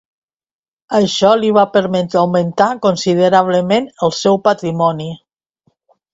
Això li va permetre augmentar considerablement el seu patrimoni.